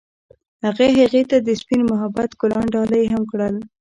هغه هغې ته د سپین محبت ګلان ډالۍ هم کړل.